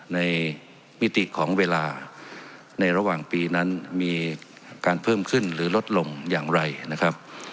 มิติของเวลาในระหว่างปีนั้นมีการเพิ่มขึ้นหรือลดลงอย่างไรนะครับ